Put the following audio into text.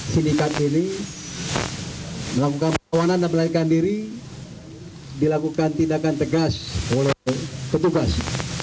sindikat ini melakukan perlawanan dan melarikan diri dilakukan tindakan tegas oleh petugas